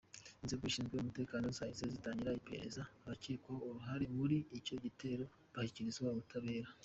Inzego zishinzwe umutekano zahise zitangira iperereza, abakekwaho uruhare muri icyo gitero bashyikirizwa ubutabera.